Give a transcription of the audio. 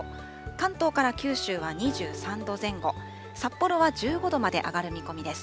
関東から九州は２３度前後、札幌は１５度まで上がる見込みです。